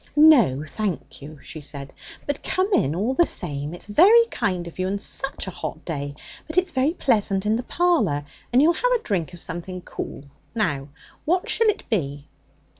'No thank you,' she said. 'But come in, all the same. It's very kind of you. And such a hot day! But it's very pleasant in the parlour. And you'll have a drink of something cool. Now what shall it be?'